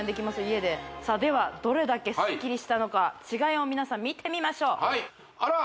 家でさあではどれだけスッキリしたのか違いを皆さん見てみましょうあら！